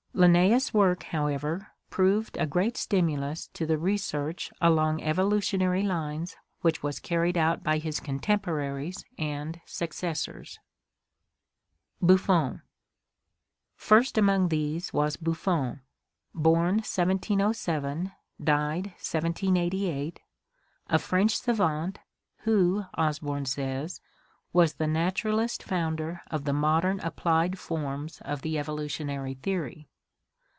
Linnaeus' work, however, proved a great stim ulus to the research along evolutionary lines which was carried out by his contemporaries and successors. Buffon. — First among these was Buffon (1707 1788), a French savant, who, Osborn says, was the "naturalist founder of the modern applied form of the evolution theory."